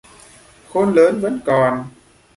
Khôn lớn vẫn còn